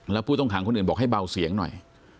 แล้วผู้ต้องขังคนอื่นบอกให้เบาเสียงหน่อย